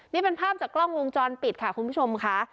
นี่เป็นภาพจากกล้องวงจรปิดค่ะคุณผู้ชมค่ะ